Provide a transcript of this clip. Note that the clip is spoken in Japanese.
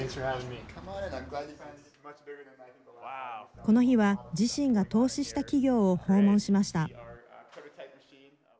この日は自身が投資した企業を訪問しました。